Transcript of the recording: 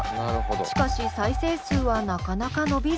しかし再生数はなかなか伸びず。